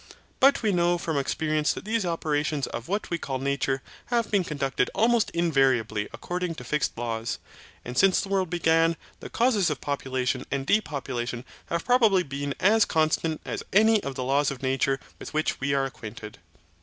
But we know from experience that these operations of what we call nature have been conducted almost invariably according to fixed laws. And since the world began, the causes of population and depopulation have probably been as constant as any of the laws of nature with which we are acquainted.